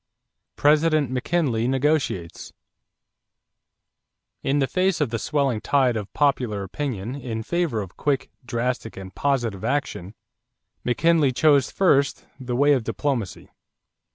=President McKinley Negotiates.= In the face of the swelling tide of popular opinion in favor of quick, drastic, and positive action, McKinley chose first the way of diplomacy.